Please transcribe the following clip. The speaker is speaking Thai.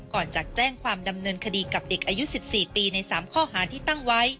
ก่อนจะแจ้งความดำเนินคดีกับเด็กอายุ๑๔ปีใน๓ข้อหาที่ตั้งไว้